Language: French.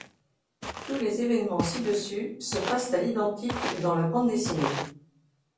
Tous les évènements ci-dessus se passent à l’identique dans la bande dessinée.